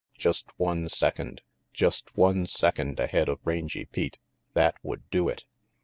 Just one second. Just one second ahead of Rangy Pete. That would do it.